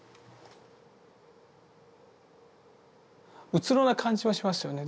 うつろな感じはしますよね